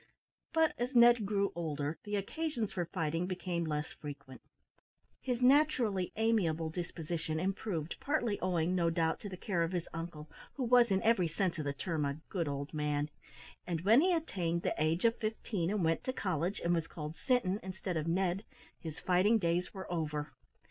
But as Ned grew older, the occasions for fighting became less frequent; his naturally amiable disposition improved, (partly owing, no doubt, to the care of his uncle, who was, in every sense of the term, a good old man,) and when he attained the age of fifteen and went to college, and was called "Sinton," instead of "Ned," his fighting days were over.